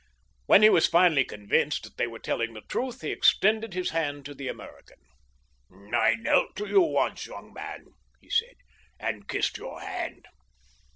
When he was finally convinced that they were telling the truth, he extended his hand to the American. "I knelt to you once, young man," he said, "and kissed your hand.